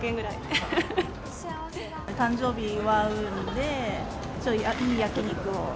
誕生日祝うんで、ちょっといい焼き肉を。